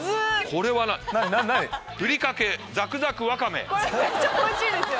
これめっちゃおいしいですよ。